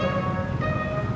kenapa abang idah lilih diri